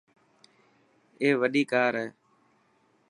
اي وڏي ڪار هي.